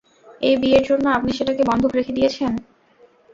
এই বিয়ের জন্য আপনি সেটাকে বন্ধক রেখে দিয়েছেন?